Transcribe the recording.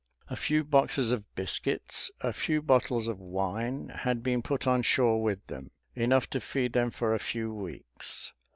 A few boxes of biscuits, a few bottles of wine, had been put on shore with them, enough to feed them for a few weeks.